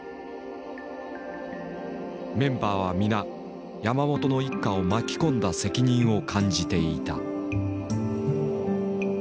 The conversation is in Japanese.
メンバーは皆山本の一家を巻き込んだ責任を感じていた。